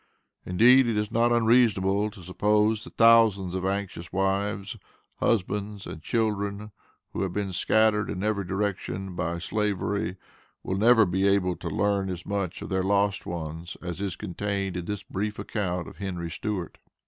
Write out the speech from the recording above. Indeed it is not unreasonable to suppose, that thousands of anxious wives, husbands and children, who have been scattered in every direction by Slavery, will never be able to learn as much of their lost ones as is contained in this brief account of Henry Stewart.